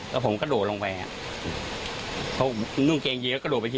กระโดดลงไป